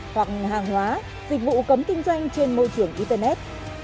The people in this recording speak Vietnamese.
hoặc hàng hóa dịch vụ cấm kinh doanh trên môi trường internet